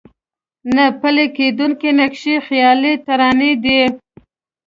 نه پلي کېدونکي نقشې خيالي ترانې دي.